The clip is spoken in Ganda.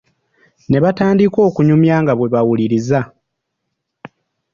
Ne batandika okunyumya nga bwe bawuliririza.